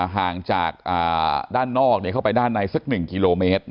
ห่างจากด้านนอกเข้าไปด้านในสัก๑กิโลเมตร